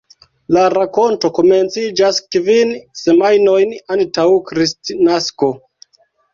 La rakonto komenciĝas kvin semajnojn antaŭ Kristnasko.